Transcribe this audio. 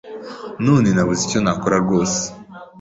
none nabuze icyo nakora rwose.